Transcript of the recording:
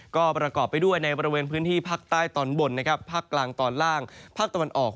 ก็ประกอบไปด้วยในบริเวณพื้นที่ภาคใต้ตอนบนนะครับภาคกลางตอนล่างภาคตะวันออก